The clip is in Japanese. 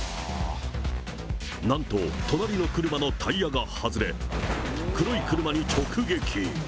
なんと、隣の車のタイヤが外れ、黒い車に直撃。